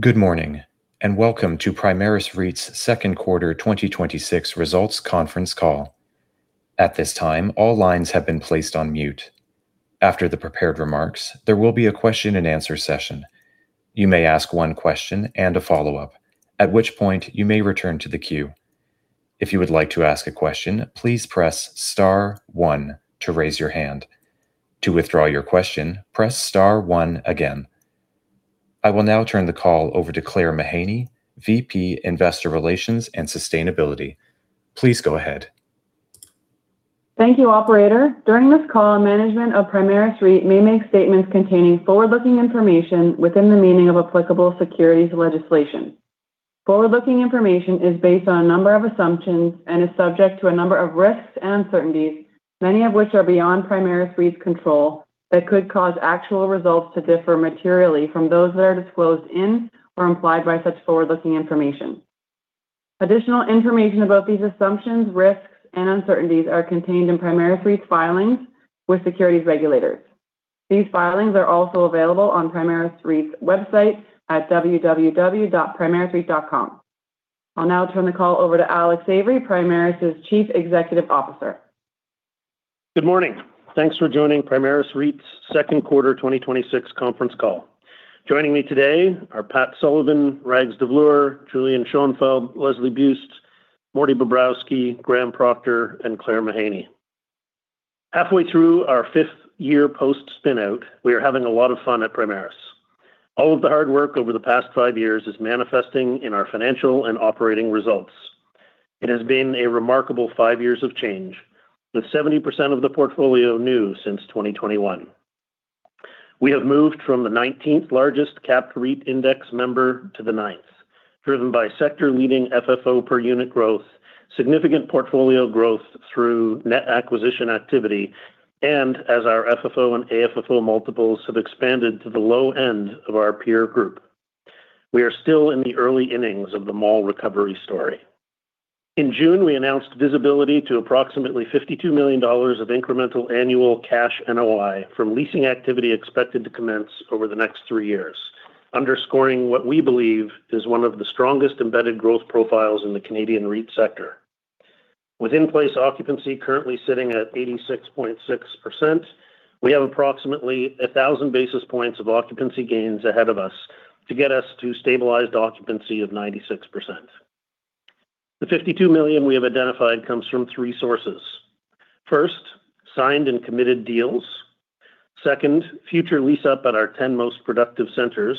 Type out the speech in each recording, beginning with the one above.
Good morning, and welcome to Primaris REIT's second quarter 2026 results conference call. At this time, all lines have been placed on mute. After the prepared remarks, there will be a question and answer session. You may ask one question and a follow-up, at which point you may return to the queue. If you would like to ask a question, please press star one to raise your hand. To withdraw your question, press star one again. I will now turn the call over to Claire Mahaney, Vice President, Investor Relations and Sustainability. Please go ahead. Thank you, operator. During this call, management of Primaris REIT may make statements containing forward-looking information within the meaning of applicable securities legislation. Forward-looking information is based on a number of assumptions and is subject to a number of risks and uncertainties, many of which are beyond Primaris REIT's control, that could cause actual results to differ materially from those that are disclosed in or implied by such forward-looking information. Additional information about these assumptions, risks, and uncertainties are contained in Primaris REIT's filings with securities regulators. These filings are also available on Primaris REIT's website at primarisreit.com. I'll now turn the call over to Alex Avery, Primaris' Chief Executive Officer. Good morning. Thanks for joining Primaris REIT's second quarter 2026 conference call. Joining me today are Pat Sullivan, Rags Davloor, Julian Schonfeldt, Leslie Buist, Mordy Bobrowsky, Graham Procter, and Claire Mahaney. Halfway through our fifth year post spin-out, we are having a lot of fun at Primaris. All of the hard work over the past five years is manifesting in our financial and operating results. It has been a remarkable five years of change, with 70% of the portfolio new since 2021. We have moved from the 19th largest cap REIT index member to the ninth, driven by sector-leading FFO per unit growth, significant portfolio growth through net acquisition activity, and as our FFO and AFFO multiples have expanded to the low end of our peer group. We are still in the early innings of the mall recovery story. In June, we announced visibility to approximately 52 million dollars of incremental annual cash NOI from leasing activity expected to commence over the next three years, underscoring what we believe is one of the strongest embedded growth profiles in the Canadian REIT sector. With in-place occupancy currently sitting at 86.6%, we have approximately 1,000 basis points of occupancy gains ahead of us to get us to stabilized occupancy of 96%. The 52 million we have identified comes from three sources. First, signed and committed deals. Second, future lease up at our 10 most productive centers.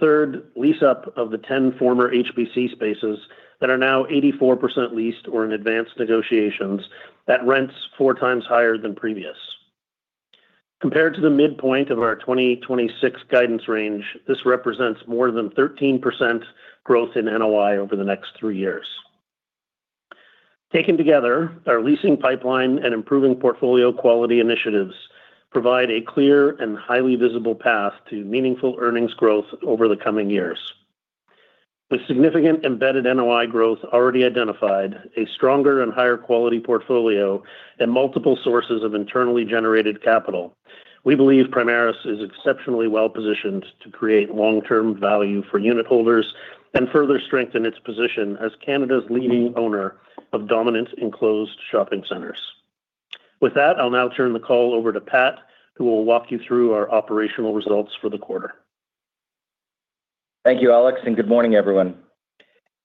Third, lease up of the 10 former HBC spaces that are now 84% leased or in advanced negotiations at rents four times higher than previous. Compared to the midpoint of our 2026 guidance range, this represents more than 13% growth in NOI over the next three years. Taken together, our leasing pipeline and improving portfolio quality initiatives provide a clear and highly visible path to meaningful earnings growth over the coming years. With significant embedded NOI growth already identified, a stronger and higher quality portfolio, and multiple sources of internally generated capital, we believe Primaris is exceptionally well-positioned to create long-term value for unitholders and further strengthen its position as Canada's leading owner of dominant enclosed shopping centers. With that, I will now turn the call over to Pat, who will walk you through our operational results for the quarter. Thank you, Alex, and good morning, everyone.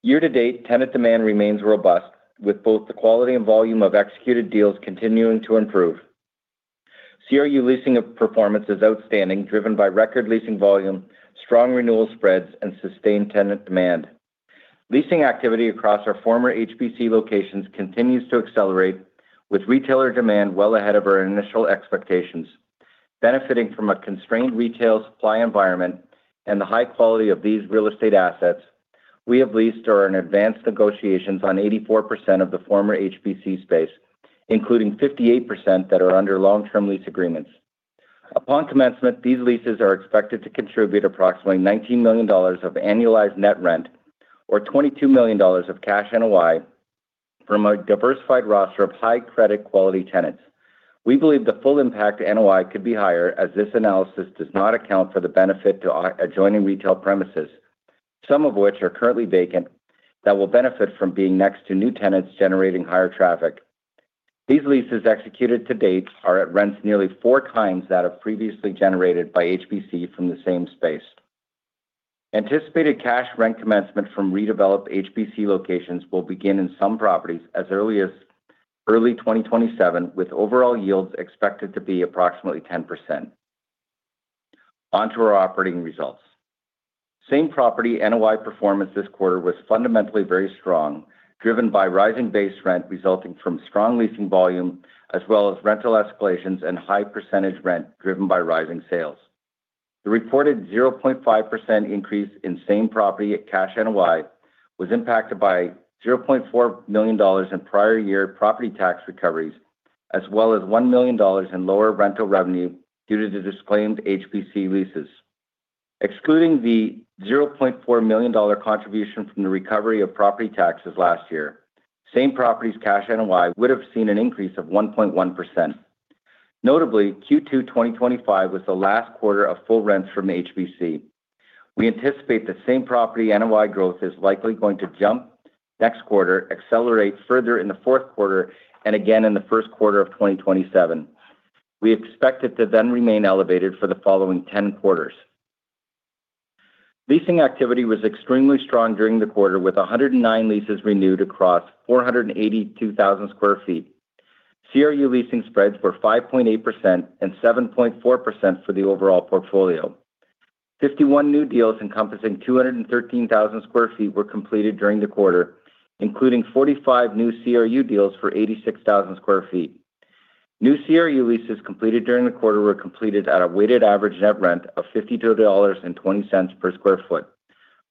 Year-to-date, tenant demand remains robust, with both the quality and volume of executed deals continuing to improve. CRU leasing performance is outstanding, driven by record leasing volume, strong renewal spreads, and sustained tenant demand. Leasing activity across our former HBC locations continues to accelerate, with retailer demand well ahead of our initial expectations. Benefiting from a constrained retail supply environment and the high quality of these real estate assets, we have leased or are in advanced negotiations on 84% of the former HBC space, including 58% that are under long-term lease agreements. Upon commencement, these leases are expected to contribute approximately 19 million dollars of annualized net rent or 22 million dollars of cash NOI from a diversified roster of high credit quality tenants. We believe the full impact to NOI could be higher, as this analysis does not account for the benefit to adjoining retail premises, some of which are currently vacant, that will benefit from being next to new tenants generating higher traffic. These leases executed to date are at rents nearly four times that of previously generated by HBC from the same space. Anticipated cash rent commencement from redeveloped HBC locations will begin in some properties as early as early 2027, with overall yields expected to be approximately 10%. On to our operating results. Same property NOI performance this quarter was fundamentally very strong, driven by rising base rent resulting from strong leasing volume as well as rental escalations and high percentage rent driven by rising sales. The reported 0.5% increase in same property cash NOI was impacted by 0.4 million dollars in prior year property tax recoveries, as well as 1 million dollars in lower rental revenue due to the disclaimed HBC leases. Excluding the 0.4 million dollar contribution from the recovery of property taxes last year, same property's cash NOI would have seen an increase of 1.1%. Notably, Q2 2025 was the last quarter of full rents from HBC. We anticipate that same property NOI growth is likely going to jump next quarter, accelerate further in the fourth quarter, and again in the first quarter of 2027. We expect it to then remain elevated for the following 10 quarters. Leasing activity was extremely strong during the quarter, with 109 leases renewed across 482,000 sq ft. CRU leasing spreads were 5.8% and 7.4% for the overall portfolio. 51 new deals encompassing 213,000 sq ft were completed during the quarter, including 45 new CRU deals for 86,000 sq ft. New CRU leases completed during the quarter were completed at a weighted average net rent of 52.20 dollars per square foot.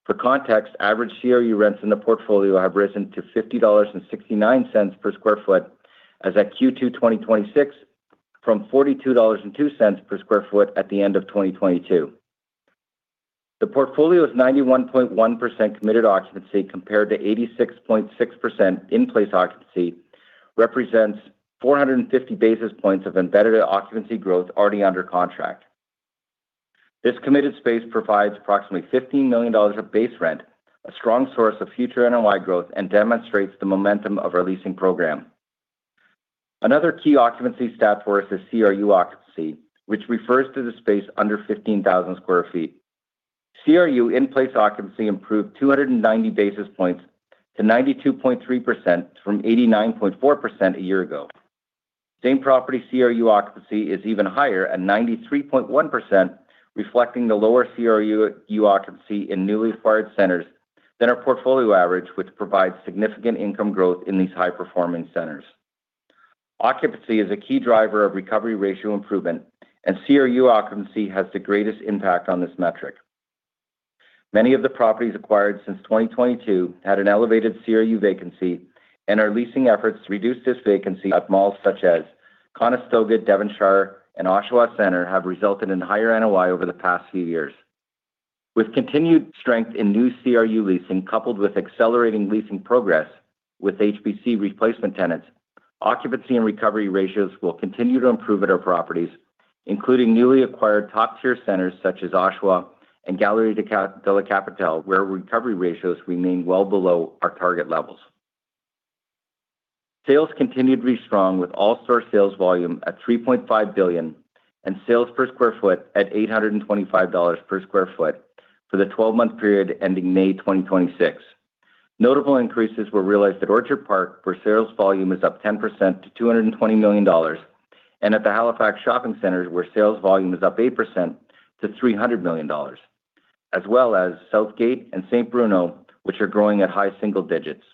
For context, average CRU rents in the portfolio have risen to 50.69 per square foot as at Q2 2026 from 42.02 dollars per square foot at the end of 2022. The portfolio's 91.1% committed occupancy compared to 86.6% in-place occupancy represents 450 basis points of embedded occupancy growth already under contract. This committed space provides approximately 15 million dollars of base rent, a strong source of future NOI growth, and demonstrates the momentum of our leasing program. Another key occupancy stat for us is CRU occupancy, which refers to the space under 15,000 sq ft. CRU in-place occupancy improved 290 basis points to 92.3% from 89.4% a year ago. Same property CRU occupancy is even higher at 93.1%, reflecting the lower CRU occupancy in newly acquired centers than our portfolio average, which provides significant income growth in these high performing centers. Occupancy is a key driver of recovery ratio improvement, and CRU occupancy has the greatest impact on this metric. Many of the properties acquired since 2022 had an elevated CRU vacancy, and our leasing efforts to reduce this vacancy at malls such as Conestoga, Devonshire, and Oshawa Centre have resulted in higher NOI over the past few years. With continued strength in new CRU leasing, coupled with accelerating leasing progress with HBC replacement tenants, occupancy and recovery ratios will continue to improve at our properties, including newly acquired top-tier centers such as Oshawa and Galerie de la Capitale, where recovery ratios remain well below our target levels. Sales continued to be strong with all-source sales volume at 3.5 billion and sales per square foot at 825 dollars per square foot for the 12-month period ending May 2026. Notable increases were realized at Orchard Park, where sales volume is up 10% to 220 million dollars, and at the Halifax Shopping Center, where sales volume is up 8% to 300 million dollars, as well as Southgate and St-Bruno, which are growing at high single digits.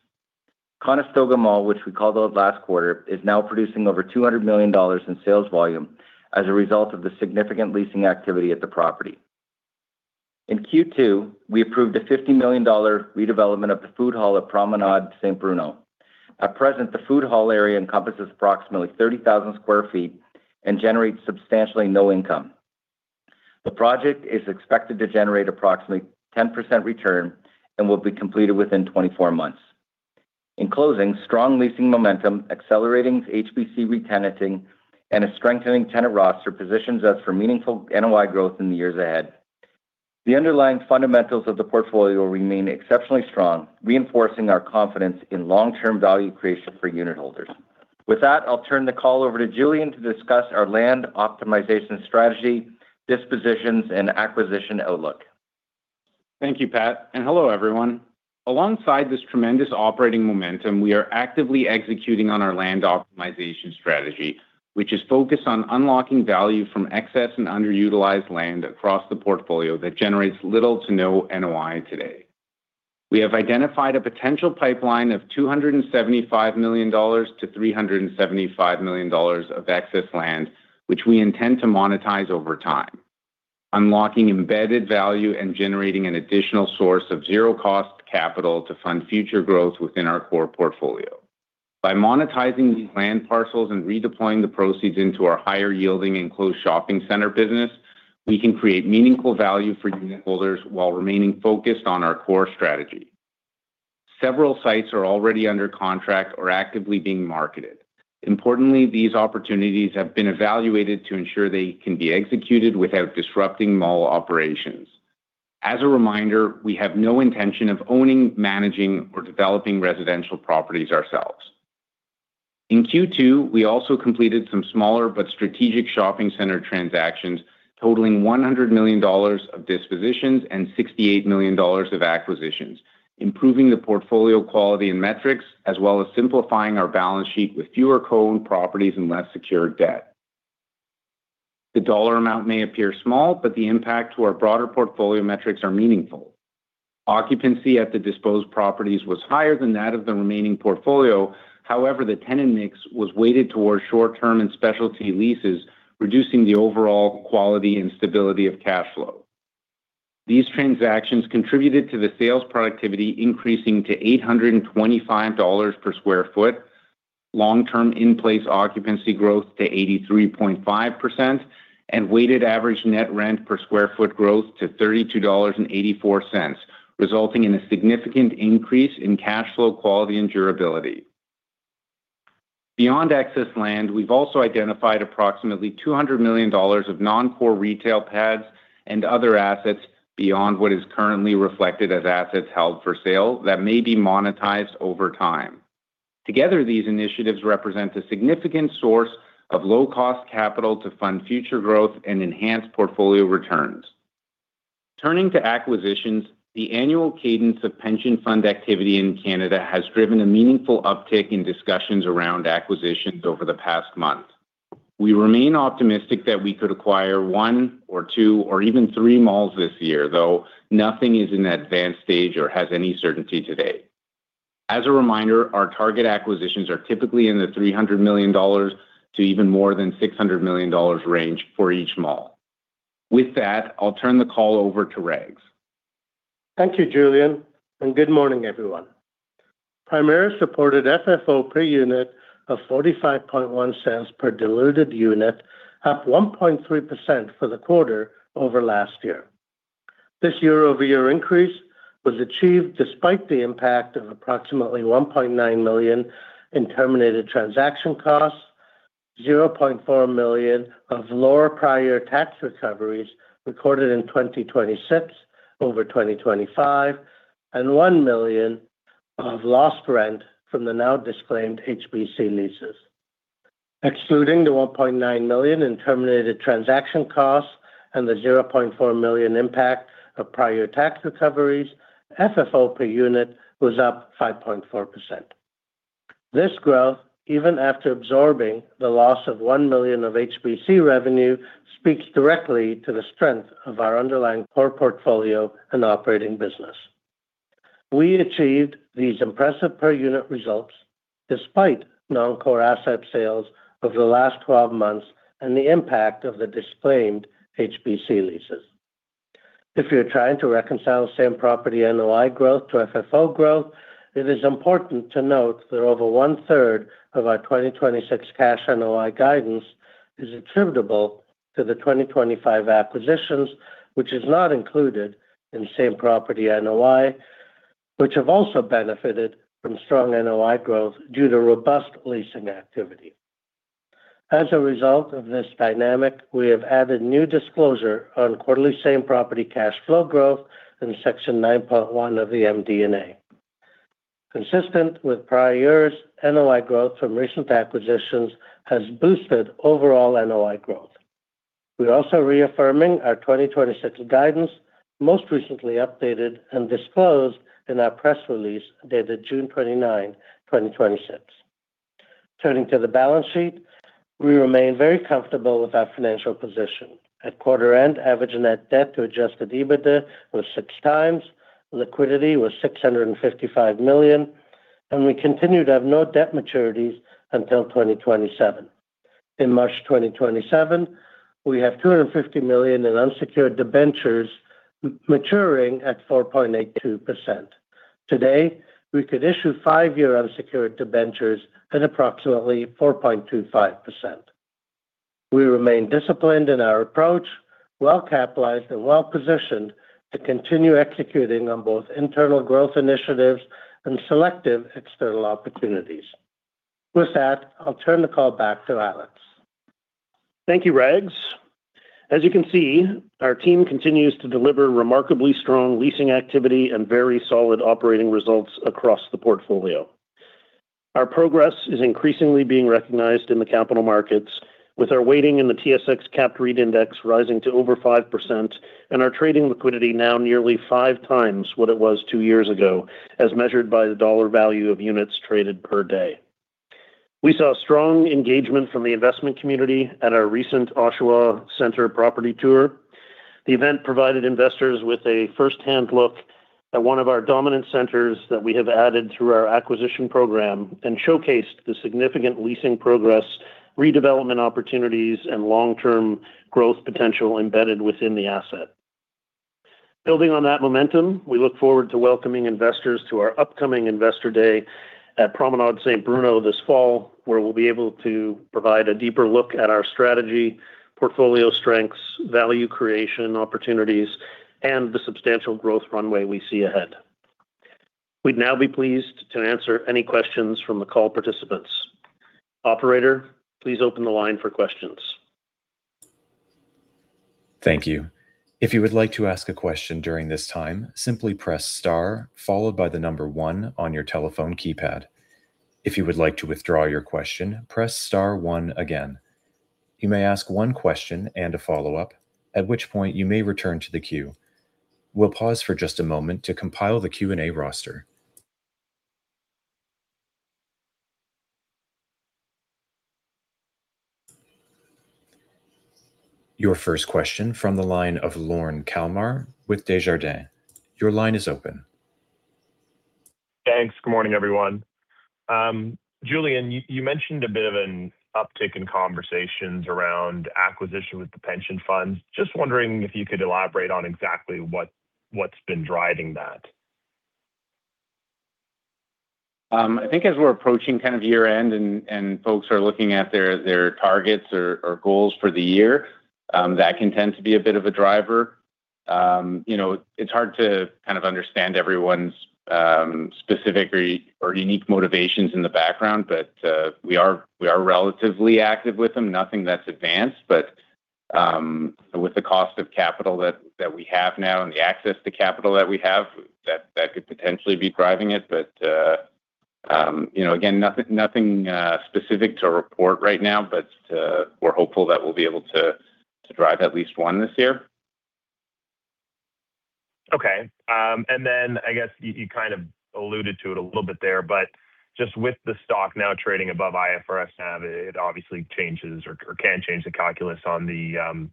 Conestoga Mall, which we called out last quarter, is now producing over 200 million dollars in sales volume as a result of the significant leasing activity at the property. In Q2, we approved a 50 million dollar redevelopment of the food hall at Promenades St-Bruno. At present, the food hall area encompasses approximately 30,000 sq ft and generates substantially no income. The project is expected to generate approximately 10% return and will be completed within 24 months. In closing, strong leasing momentum, accelerating HBC re-tenanting, and a strengthening tenant roster positions us for meaningful NOI growth in the years ahead. The underlying fundamentals of the portfolio remain exceptionally strong, reinforcing our confidence in long-term value creation for unitholders. With that, I'll turn the call over to Julian to discuss our land optimization strategy, dispositions, and acquisition outlook. Thank you, Pat, and hello, everyone. Alongside this tremendous operating momentum, we are actively executing on our land optimization strategy, which is focused on unlocking value from excess and underutilized land across the portfolio that generates little to no NOI today. We have identified a potential pipeline of 275 million-375 million dollars of excess land, which we intend to monetize over time, unlocking embedded value and generating an additional source of zero-cost capital to fund future growth within our core portfolio. By monetizing these land parcels and redeploying the proceeds into our higher yielding enclosed shopping center business, we can create meaningful value for unitholders while remaining focused on our core strategy. Several sites are already under contract or actively being marketed. Importantly, these opportunities have been evaluated to ensure they can be executed without disrupting mall operations. As a reminder, we have no intention of owning, managing, or developing residential properties ourselves. In Q2, we also completed some smaller but strategic shopping center transactions totaling 100 million dollars of dispositions and 68 million dollars of acquisitions, improving the portfolio quality and metrics, as well as simplifying our balance sheet with fewer co-owned properties and less secured debt. The dollar amount may appear small, but the impact to our broader portfolio metrics are meaningful. Occupancy at the disposed properties was higher than that of the remaining portfolio. However, the tenant mix was weighted towards short-term and specialty leases, reducing the overall quality and stability of cash flow. These transactions contributed to the sales productivity increasing to 825 dollars per square foot, long-term in-place occupancy growth to 83.5%, and weighted average net rent per square foot growth to 32.84 dollars, resulting in a significant increase in cash flow quality and durability. Beyond excess land, we've also identified approximately 200 million dollars of non-core retail pads and other assets beyond what is currently reflected as assets held for sale that may be monetized over time. Together, these initiatives represent a significant source of low-cost capital to fund future growth and enhance portfolio returns. Turning to acquisitions, the annual cadence of pension fund activity in Canada has driven a meaningful uptick in discussions around acquisitions over the past month. We remain optimistic that we could acquire one or two or even three malls this year, though nothing is in advanced stage or has any certainty to date. As a reminder, our target acquisitions are typically in the 300 million dollars to even more than 600 million dollars range for each mall. With that, I'll turn the call over to Rags. Thank you, Julian, and good morning, everyone. Primaris supported FFO per unit of 0.451 per diluted unit, up 1.3% for the quarter over last year. This YoY increase was achieved despite the impact of approximately 1.9 million in terminated transaction costs, 0.4 million of lower prior tax recoveries recorded in 2026 over 2025, and 1 million of lost rent from the now disclaimed HBC leases. Excluding the 1.9 million in terminated transaction costs and the 0.4 million impact of prior tax recoveries, FFO per unit was up 5.4%. This growth, even after absorbing the loss of 1 million of HBC revenue, speaks directly to the strength of our underlying core portfolio and operating business. We achieved these impressive per-unit results despite non-core asset sales over the last 12 months and the impact of the disclaimed HBC leases. If you're trying to reconcile same-property NOI growth to FFO growth, it is important to note that over one-third of our 2026 cash NOI guidance is attributable to the 2025 acquisitions, which is not included in same-property NOI, which have also benefited from strong NOI growth due to robust leasing activity. As a result of this dynamic, we have added new disclosure on quarterly same-property cash flow growth in Section 9.1 of the MD&A. Consistent with prior years, NOI growth from recent acquisitions has boosted overall NOI growth. We're also reaffirming our 2026 guidance, most recently updated and disclosed in our press release dated June 29, 2026. Turning to the balance sheet, we remain very comfortable with our financial position. At quarter end, average net debt to Adjusted EBITDA was six times, liquidity was 655 million, and we continue to have no debt maturities until 2027. In March 2027, we have 250 million in unsecured debentures maturing at 4.82%. Today, we could issue five-year unsecured debentures at approximately 4.25%. We remain disciplined in our approach, well-capitalized, and well-positioned to continue executing on both internal growth initiatives and selective external opportunities. With that, I'll turn the call back to Alex. Thank you, Rags. As you can see, our team continues to deliver remarkably strong leasing activity and very solid operating results across the portfolio. Our progress is increasingly being recognized in the capital markets, with our weighting in the TSX Capped REIT Index rising to over 5% and our trading liquidity now nearly five times what it was two years ago, as measured by the dollar value of units traded per day. We saw strong engagement from the investment community at our recent Oshawa Centre property tour. The event provided investors with a first-hand look at one of our dominant centers that we have added through our acquisition program and showcased the significant leasing progress, redevelopment opportunities, and long-term growth potential embedded within the asset. Building on that momentum, we look forward to welcoming investors to our upcoming Investor Day at Promenades St-Bruno this fall, where we'll be able to provide a deeper look at our strategy, portfolio strengths, value creation opportunities, and the substantial growth runway we see ahead. We'd now be pleased to answer any questions from the call participants. Operator, please open the line for questions. Thank you. If you would like to ask a question during this time, simply press star, followed by the number one on your telephone keypad. If you would like to withdraw your question, press star one again. You may ask one question and a follow-up, at which point you may return to the queue. We'll pause for just a moment to compile the Q&A roster. Your first question from the line of Lorne Kalmar with Desjardins. Your line is open. Thanks. Good morning, everyone. Julian, you mentioned a bit of an uptick in conversations around acquisition with the pension funds. Just wondering if you could elaborate on exactly what's been driving that. I think as we're approaching year-end and folks are looking at their targets or goals for the year, that can tend to be a bit of a driver. It's hard to kind of understand everyone's specific or unique motivations in the background. We are relatively active with them. Nothing that's advanced, with the cost of capital that we have now and the access to capital that we have, that could potentially be driving it. Again, nothing specific to report right now, but we're hopeful that we'll be able to drive at least one this year. Okay. I guess you kind of alluded to it a little bit there, just with the stock now trading above IFRS NAV, it obviously changes or can change the calculus on the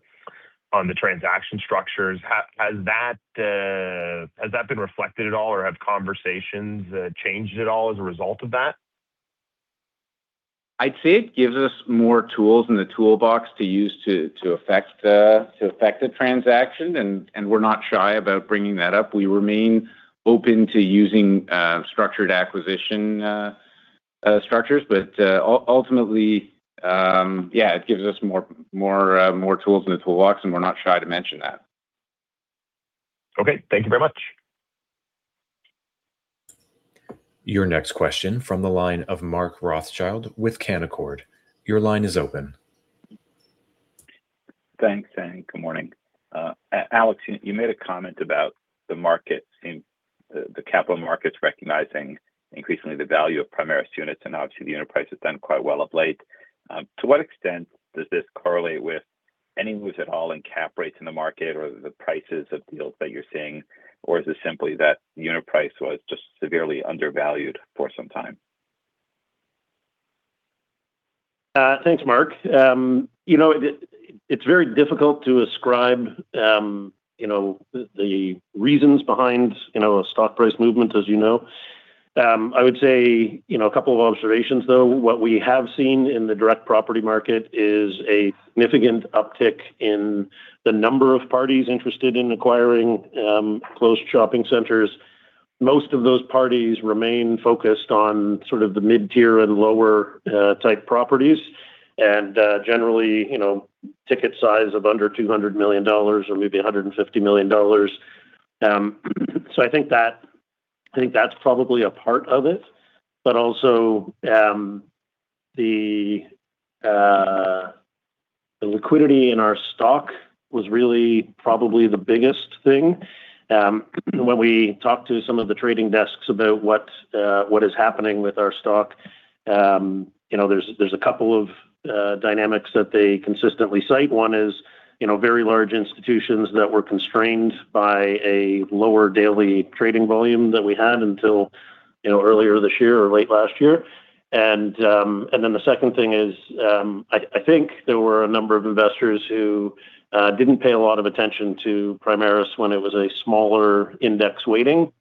transaction structures. Has that been reflected at all, or have conversations changed at all as a result of that? I'd say it gives us more tools in the toolbox to use to affect the transaction. We're not shy about bringing that up. We remain open to using structured acquisition structures. Ultimately, yeah, it gives us more tools in the toolbox. We're not shy to mention that. Okay. Thank you very much. Your next question from the line of Mark Rothschild with Canaccord. Your line is open. Thanks. Good morning. Alex, you made a comment about the capital markets recognizing increasingly the value of Primaris units. Obviously the unit price has done quite well of late. To what extent does this correlate with any moves at all in cap rates in the market or the prices of deals that you're seeing, is it simply that the unit price was just severely undervalued for some time? Thanks, Mark. It's very difficult to ascribe the reasons behind a stock price movement, as you know. I would say a couple of observations, though. What we have seen in the direct property market is a significant uptick in the number of parties interested in acquiring closed shopping centers. Most of those parties remain focused on sort of the mid-tier and lower type properties, and generally, ticket size of under 200 million dollars or maybe 150 million dollars. I think that's probably a part of it, but also the liquidity in our stock was really probably the biggest thing. When we talked to some of the trading desks about what is happening with our stock, there's a couple of dynamics that they consistently cite. One is very large institutions that were constrained by a lower daily trading volume than we had until earlier this year or late last year. The second thing is, I think there were a number of investors who didn't pay a lot of attention to Primaris when it was a smaller index weighting.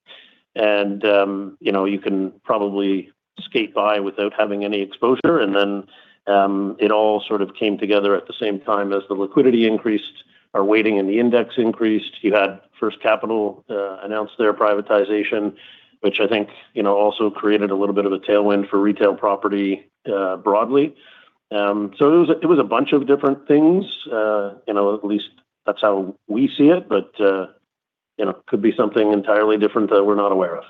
You can probably skate by without having any exposure, and then it all sort of came together at the same time. As the liquidity increased, our weighting in the index increased. You had First Capital announce their privatization, which I think also created a little bit of a tailwind for retail property broadly. It was a bunch of different things. At least that's how we see it, but it could be something entirely different that we're not aware of.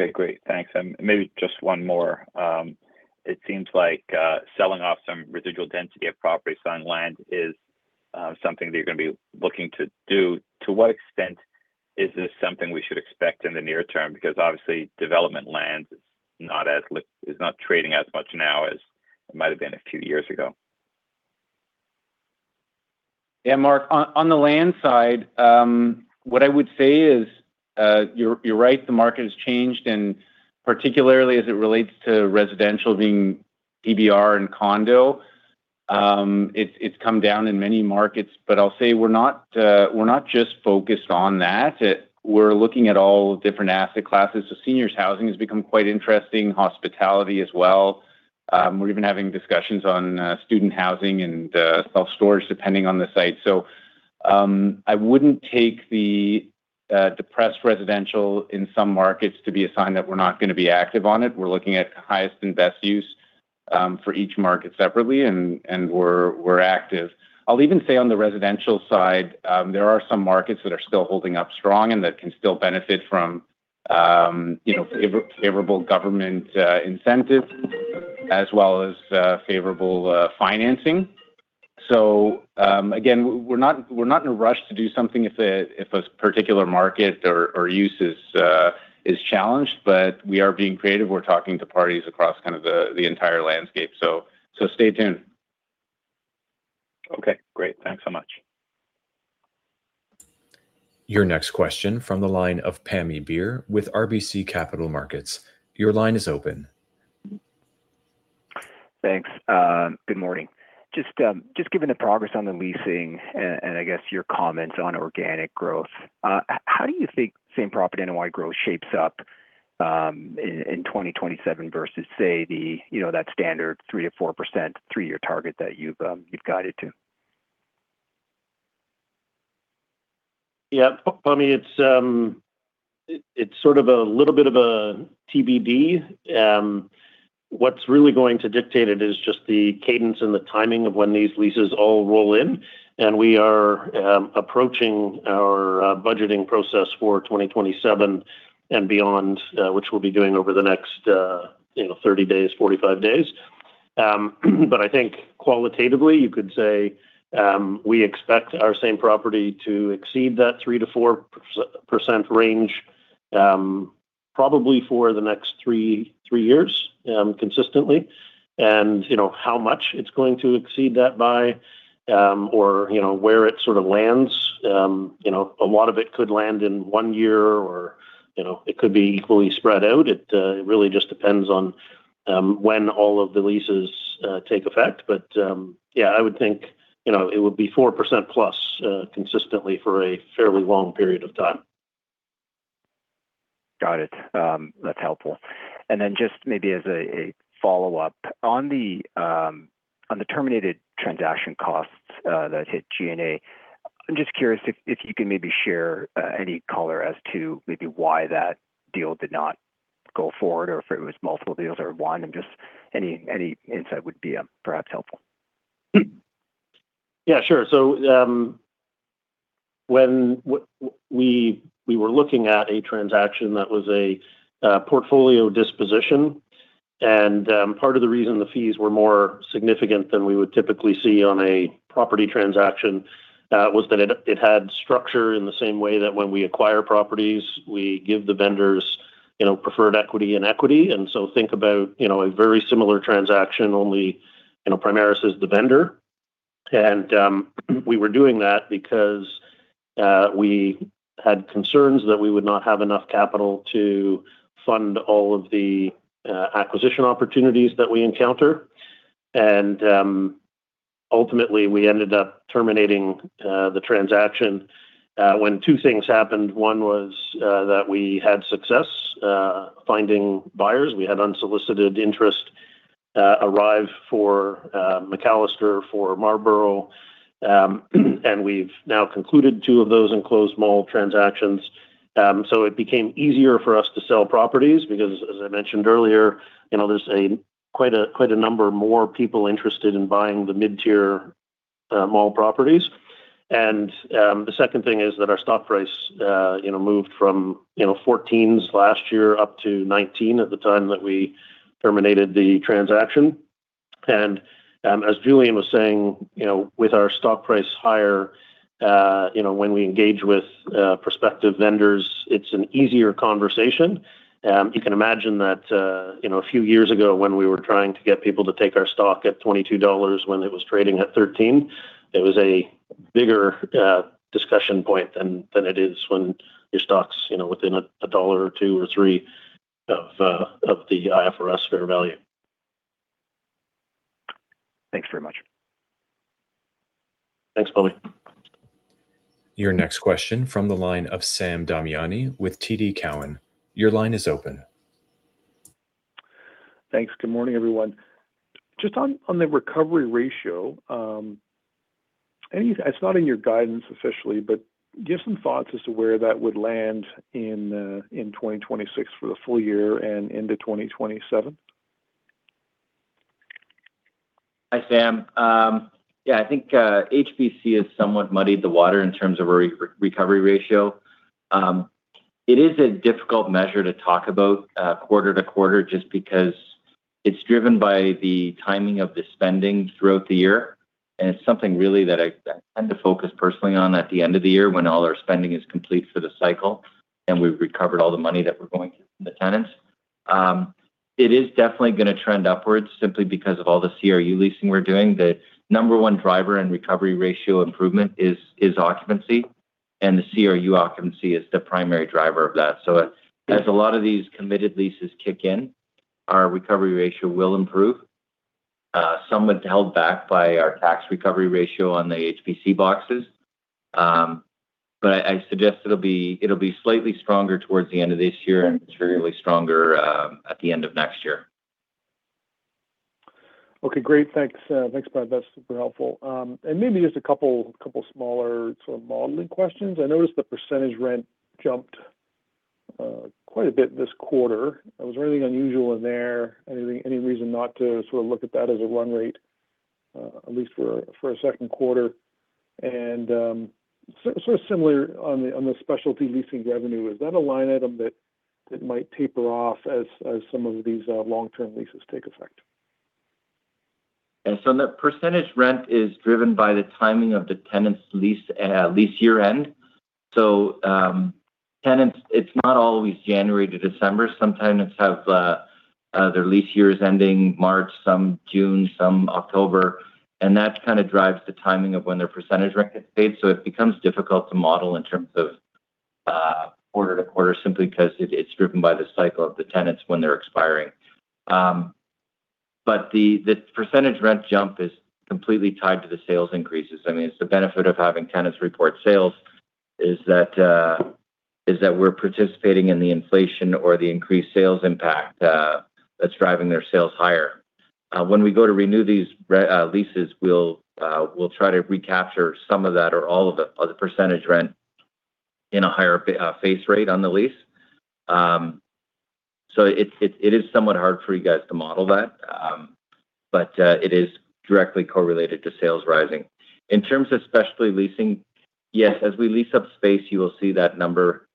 Okay, great. Thanks. Maybe just one more. It seems like selling off some residual density of property, so land is something that you're going to be looking to do. To what extent is this something we should expect in the near term? Obviously development land is not trading as much now as it might have been a few years ago. Yeah, Mark. On the land side, what I would say is you're right, the market has changed, and particularly as it relates to residential being PBR and condo, it's come down in many markets. I'll say we're not just focused on that. We're looking at all different asset classes. Seniors housing has become quite interesting, hospitality as well. We're even having discussions on student housing and self-storage, depending on the site. I wouldn't take the depressed residential in some markets to be a sign that we're not going to be active on it. We're looking at highest and best use for each market separately, and we're active. I'll even say on the residential side, there are some markets that are still holding up strong and that can still benefit from favorable government incentives as well as favorable financing. Again, we're not in a rush to do something if a particular market or use is challenged, but we are being creative. We're talking to parties across kind of the entire landscape. Stay tuned. Okay, great. Thanks so much. Your next question from the line of Pammi Bir with RBC Capital Markets. Your line is open. Thanks. Good morning. Just given the progress on the leasing and I guess your comments on organic growth, how do you think same property NOI growth shapes up in 2027 versus, say, that standard 3%-4% three-year target that you've guided to? Yeah. Pammi, it's sort of a little bit of a TBD. What's really going to dictate it is just the cadence and the timing of when these leases all roll in. We are approaching our budgeting process for 2027 and beyond, which we'll be doing over the next 30 days, 45 days. I think qualitatively, you could say, we expect our same property to exceed that 3%-4% range probably for the next three years consistently. How much it's going to exceed that by or where it sort of lands, a lot of it could land in one year or it could be equally spread out. It really just depends on when all of the leases take effect. Yeah, I would think it would be 4%+ consistently for a fairly long period of time. Got it. That's helpful. Then just maybe as a follow-up, on the terminated transaction costs that hit G&A, I'm just curious if you can maybe share any color as to maybe why that deal did not go forward, or if it was multiple deals or one, and just any insight would be perhaps helpful. Yeah, sure. We were looking at a transaction that was a portfolio disposition. Part of the reason the fees were more significant than we would typically see on a property transaction was that it had structure in the same way that when we acquire properties, we give the vendors preferred equity and equity. Think about a very similar transaction, only Primaris is the vendor. We were doing that because we had concerns that we would not have enough capital to fund all of the acquisition opportunities that we encounter. Ultimately, we ended up terminating the transaction when two things happened. One was that we had success finding buyers. We had unsolicited interest arrive for McAllister, for Marlborough, and we've now concluded two of those enclosed mall transactions. It became easier for us to sell properties because, as I mentioned earlier, there's quite a number more people interested in buying the mid-tier mall properties. The second thing is that our stock price moved from 14s last year up to 19 at the time that we terminated the transaction. As Julian was saying, with our stock price higher, when we engage with prospective vendors, it's an easier conversation. You can imagine that a few years ago when we were trying to get people to take our stock at 22 dollars when it was trading at 13, it was a bigger discussion point than it is when your stock's within a CAD 1 or 2 dollar or 3 of the IFRS fair value. Thanks very much. Thanks, Pammi. Your next question from the line of Sam Damiani with TD Cowen. Your line is open. Thanks. Good morning, everyone. Just on the recovery ratio, it's not in your guidance officially, but give some thoughts as to where that would land in 2026 for the full year and into 2027. Hi, Sam. I think HBC has somewhat muddied the water in terms of our recovery ratio. It is a difficult measure to talk about quarter-to-quarter just because it's driven by the timing of the spending throughout the year, and it's something really that I tend to focus personally on at the end of the year when all our spending is complete for the cycle and we've recovered all the money that we're going to from the tenants. It is definitely going to trend upwards simply because of all the CRU leasing we're doing. The number one driver in recovery ratio improvement is occupancy, and the CRU occupancy is the primary driver of that. As a lot of these committed leases kick in, our recovery ratio will improve. Somewhat held back by our tax recovery ratio on the HBC boxes. I suggest it'll be slightly stronger towards the end of this year and materially stronger at the end of next year. Okay, great. Thanks. That's super helpful. Maybe just a couple smaller sort of modeling questions. I noticed the percentage rent jumped quite a bit this quarter. Was there anything unusual in there? Any reason not to sort of look at that as a run rate, at least for a second quarter? Sort of similar on the specialty leasing revenue, is that a line item that might taper off as some of these long-term leases take effect? The percentage rent is driven by the timing of the tenant's lease year-end. Tenants, it's not always January to December. Some tenants have their lease years ending March, some June, some October. That kind of drives the timing of when their percentage rent gets paid. It becomes difficult to model in terms of quarter-to-quarter, simply because it's driven by the cycle of the tenants when they're expiring. The percentage rent jump is completely tied to the sales increases. I mean, it's the benefit of having tenants report sales is that we're participating in the inflation or the increased sales impact that's driving their sales higher. When we go to renew these leases, we'll try to recapture some of that or all of it, or the percentage rent in a higher base rate on the lease. It is somewhat hard for you guys to model that, but it is directly correlated to sales rising. In terms of specialty leasing, yes, as we lease up space, you will see that number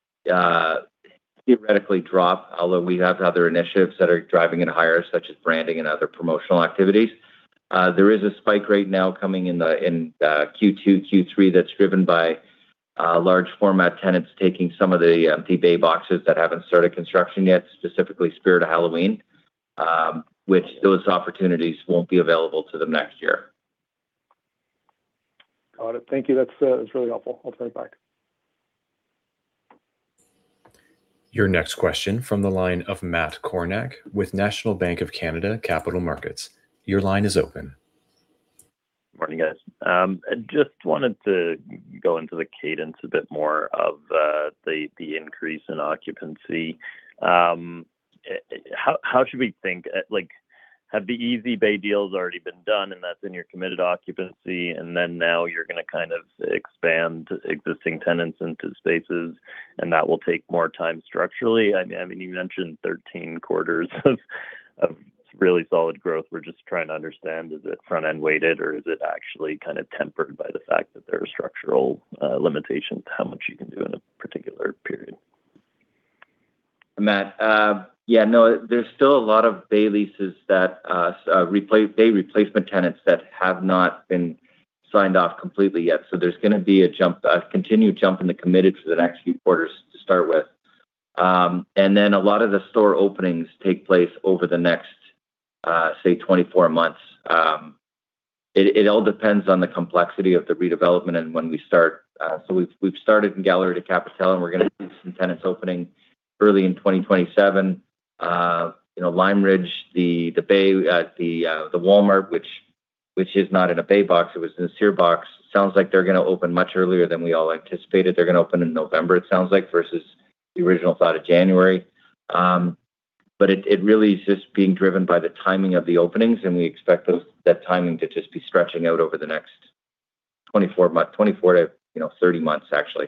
theoretically drop, although we have other initiatives that are driving it higher, such as branding and other promotional activities. There is a spike right now coming in Q2, Q3 that is driven by large format tenants taking some of the empty bay boxes that have not started construction yet, specifically Spirit Halloween, which those opportunities will not be available to them next year. Got it. Thank you. That's really helpful. I'll take back. Your next question from the line of Matt Kornack with National Bank of Canada Capital Markets. Your line is open. Morning, guys. How should we think? Have the easy bay deals already been done and that's in your committed occupancy, and then now you're going to kind of expand existing tenants into spaces and that will take more time structurally? I mean, you mentioned 13 quarters of really solid growth. We're just trying to understand, is it front-end weighted or is it actually kind of tempered by the fact that there are structural limitations to how much you can do in a particular period? Matt. Yeah, no, there's still a lot of Bay replacement tenants that have not been signed off completely yet. There's going to be a continued jump in the committed for the next few quarters to start with. A lot of the store openings take place over the next say 24 months. It all depends on the complexity of the redevelopment and when we start. We've started in Galerie de la Capitale, and we're going to see some tenants opening early in 2027. In Lime Ridge, the Walmart, which is not in a Bay box, it was in a Sears box, sounds like they're going to open much earlier than we all anticipated. They're going to open in November, it sounds like, versus the original thought of January. It really is just being driven by the timing of the openings, and we expect that timing to just be stretching out over the next 24-30 months, actually.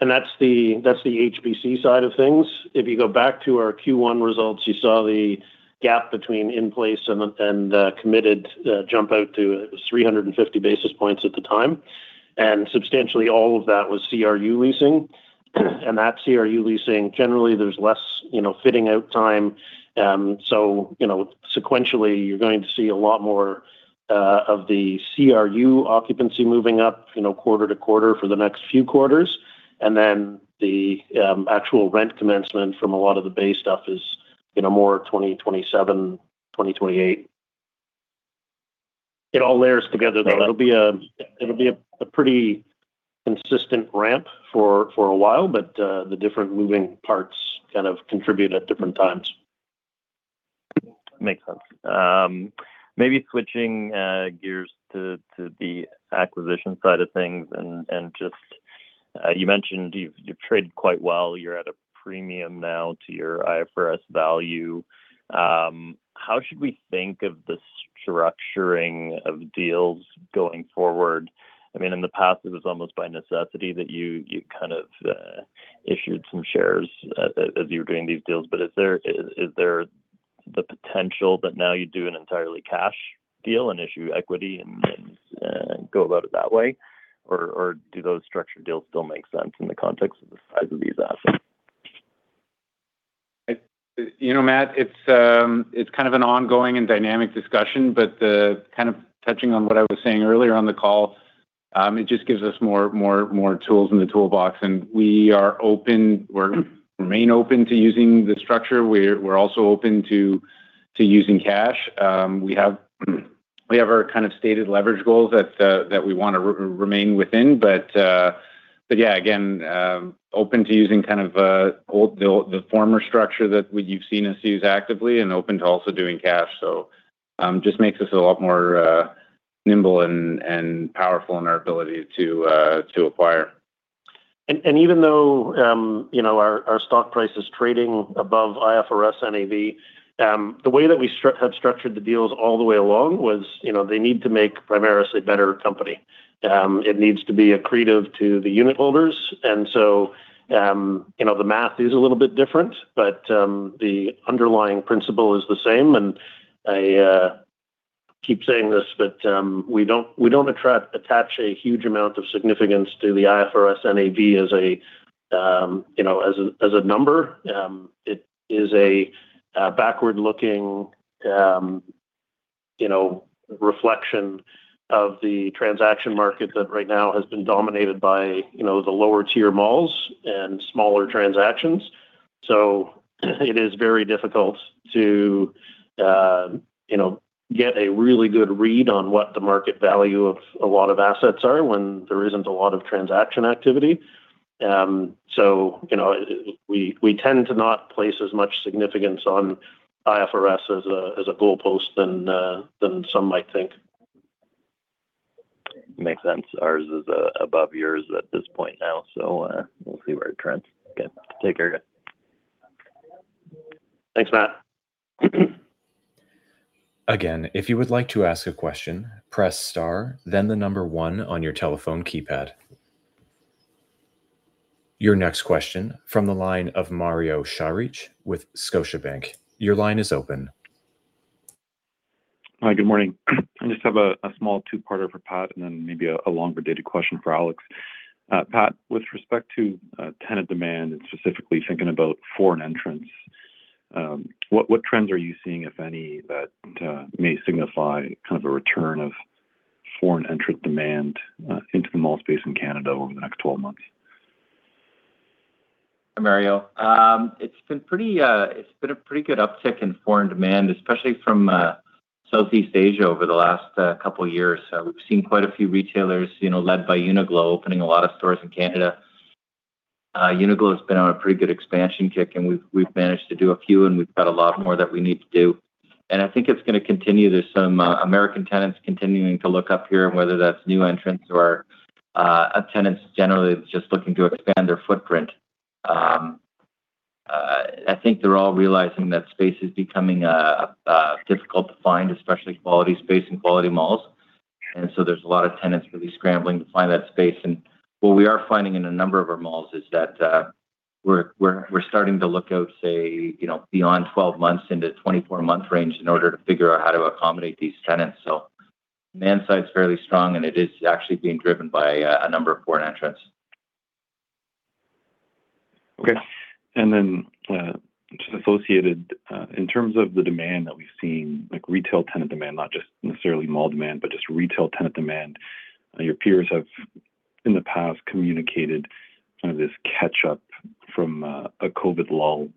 That's the HBC side of things. If you go back to our Q1 results, you saw the gap between in place and the committed jump out to 350 basis points at the time, and substantially all of that was CRU leasing. That CRU leasing, generally there's less fitting out time. Sequentially, you're going to see a lot more of the CRU occupancy moving up quarter-to-quarter for the next few quarters. The actual rent commencement from a lot of the Bay stuff is more 2027, 2028. It all layers together, though. It'll be a pretty consistent ramp for a while, but the different moving parts kind of contribute at different times. Makes sense. Maybe switching gears to the acquisition side of things and just, you mentioned you've traded quite well. You're at a premium now to your IFRS value. How should we think of the structuring of deals going forward? I mean, in the past, it was almost by necessity that you kind of issued some shares as you were doing these deals. Is there the potential that now you do an entirely cash deal and issue equity and go about it that way? Or do those structured deals still make sense in the context of the size of these assets? Matt, it's kind of an ongoing and dynamic discussion. Touching on what I was saying earlier on the call, it just gives us more tools in the toolbox. We remain open to using the structure. We're also open to using cash. We have our kind of stated leverage goals that we want to remain within. Again, open to using kind of the former structure that you've seen us use actively and open to also doing cash. It just makes us a lot more nimble and powerful in our ability to acquire. Even though our stock price is trading above IFRS NAV, the way that we have structured the deals all the way along was they need to make Primaris a better company. It needs to be accretive to the unit holders. The math is a little bit different. The underlying principle is the same. I keep saying this, but we don't attach a huge amount of significance to the IFRS NAV as a number. It is a backward-looking reflection of the transaction market that right now has been dominated by the lower tier malls and smaller transactions. It is very difficult to get a really good read on what the market value of a lot of assets are when there isn't a lot of transaction activity. We tend to not place as much significance on IFRS as a goalpost than some might think. Makes sense. Ours is above yours at this point now. We'll see where it trends. Okay, take care. Thanks, Matt. Again, if you would like to ask a question, press star then the number one on your telephone keypad. Your next question from the line of Mario Saric with Scotiabank. Your line is open. Hi, good morning. I just have a small two-parter for Pat and then maybe a longer-dated question for Alex. Pat, with respect to tenant demand and specifically thinking about foreign entrants, what trends are you seeing, if any, that may signify kind of a return of foreign entrant demand into the mall space in Canada over the next 12 months? Hi, Mario. It's been a pretty good uptick in foreign demand, especially from Southeast Asia over the last couple of years. We've seen quite a few retailers, led by Uniqlo, opening a lot of stores in Canada. Uniqlo has been on a pretty good expansion kick, and we've managed to do a few, and we've got a lot more that we need to do. I think it's going to continue. There's some American tenants continuing to look up here, and whether that's new entrants or tenants generally that's just looking to expand their footprint. I think they're all realizing that space is becoming difficult to find, especially quality space and quality malls. There's a lot of tenants really scrambling to find that space. What we are finding in a number of our malls is that we're starting to look out, say, beyond 12 months into 24-month range in order to figure out how to accommodate these tenants. Demand side's fairly strong, and it is actually being driven by a number of foreign entrants. Okay. Just associated, in terms of the demand that we've seen, like retail tenant demand, not just necessarily mall demand, but just retail tenant demand. Your peers have, in the past, communicated kind of this catch-up from a COVID lull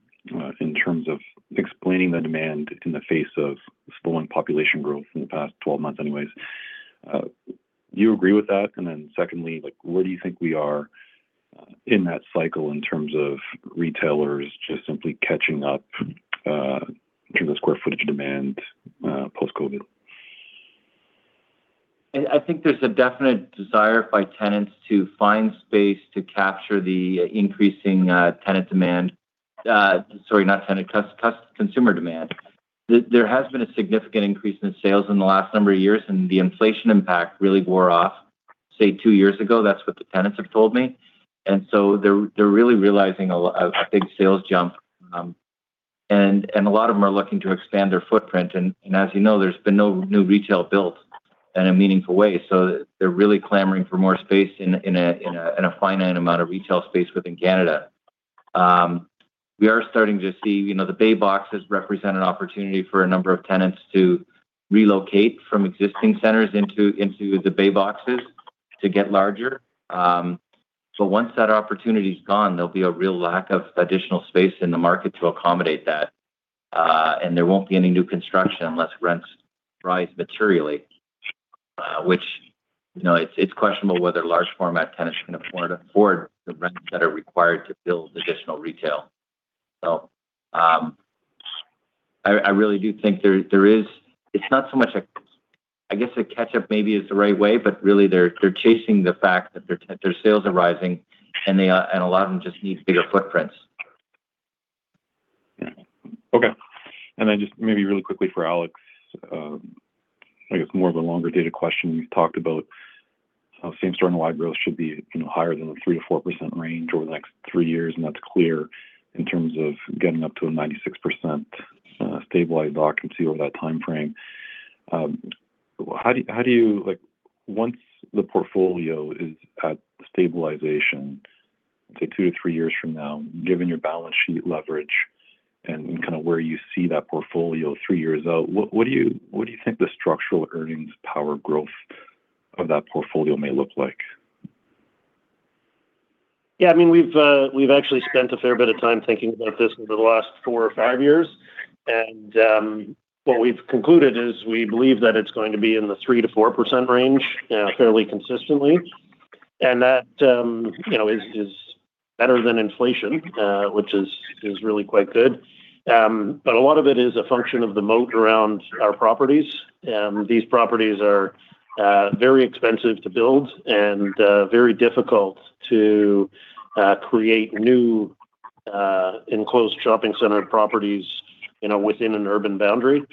in terms of explaining the demand in the face of slowing population growth in the past 12 months anyways. Do you agree with that? Secondly, where do you think we are in that cycle in terms of retailers just simply catching up in the square footage demand post-COVID? I think there's a definite desire by tenants to find space to capture the increasing tenant demand. Sorry, not tenant, consumer demand. There has been a significant increase in sales in the last number of years, and the inflation impact really wore off, say, two years ago. That's what the tenants have told me. They're really realizing a big sales jump. A lot of them are looking to expand their footprint. As you know, there's been no new retail built in a meaningful way. They're really clamoring for more space in a finite amount of retail space within Canada. We are starting to see The Bay boxes represent an opportunity for a number of tenants to relocate from existing centers into The Bay boxes to get larger. Once that opportunity's gone, there'll be a real lack of additional space in the market to accommodate that. There won't be any new construction unless rents rise materially, which, it's questionable whether large format tenants can afford the rents that are required to build additional retail. I really do think it's not so much a, I guess a catch-up maybe is the right way, but really, they're chasing the fact that their sales are rising, and a lot of them just need bigger footprints. Yeah. Okay. Just maybe really quickly for Alex, I guess more of a longer data question. You talked about how same store NOI growth should be higher than the 3%-4% range over the next three years, and that's clear in terms of getting up to a 96% stabilized occupancy over that timeframe. Once the portfolio is at stabilization, say two to three years from now, given your balance sheet leverage and kind of where you see that portfolio three years out, what do you think the structural earnings power growth of that portfolio may look like? We've actually spent a fair bit of time thinking about this over the last four or five years. What we've concluded is we believe that it's going to be in the 3%-4% range fairly consistently. That is better than inflation, which is really quite good. A lot of it is a function of the moat around our properties. These properties are very expensive to build and very difficult to create new enclosed shopping center properties within an urban boundary.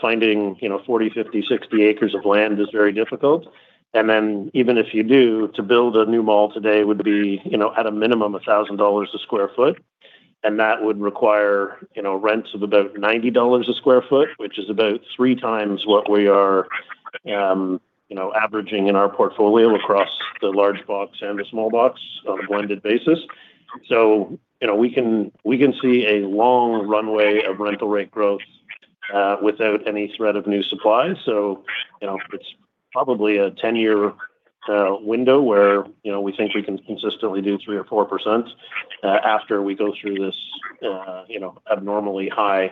Finding 40, 50, 60 acres of land is very difficult. Even if you do, to build a new mall today would be at a minimum 1,000 dollars a square foot. That would require rents of about 90 dollars a square foot, which is about three times what we are averaging in our portfolio across the large box and the small box on a blended basis. We can see a long runway of rental rate growth without any threat of new supply. It's probably a 10-year window where we think we can consistently do 3% or 4% after we go through this abnormally high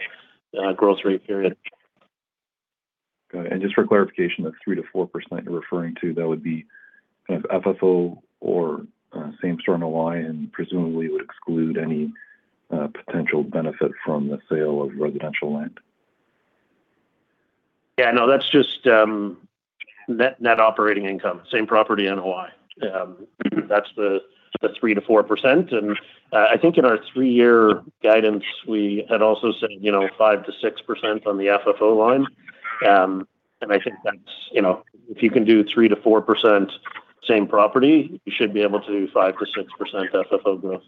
growth rate period. Got it. Just for clarification, that 3%-4% you're referring to, that would be kind of FFO or same store NOI, and presumably would exclude any potential benefit from the sale of residential land? Yeah, no. That's just net operating income. Same property NOI. That's the 3%-4%. I think in our three-year guidance, we had also said 5%-6% on the FFO line. I think if you can do 3%-4% same property, you should be able to do 5% or 6% FFO growth.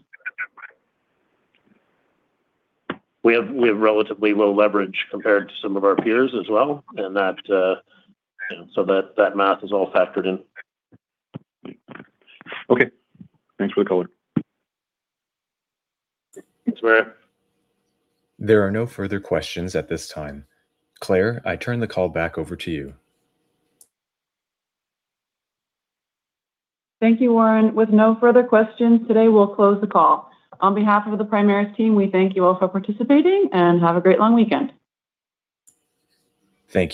We have relatively low leverage compared to some of our peers as well, that math is all factored in. Okay. Thanks for the color. Thanks, Mario. There are no further questions at this time. Claire, I turn the call back over to you. Thank you, Warren. With no further questions, today we'll close the call. On behalf of the Primaris team, we thank you all for participating. Have a great long weekend. Thank you.